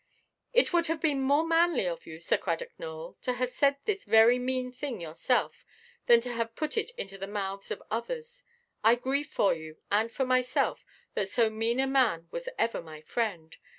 "It would have been more manly of you, Sir Cradock Nowell, to have said this very mean thing yourself, than to have put it into the mouths of others. I grieve for you, and for myself, that so mean a man was ever my friend.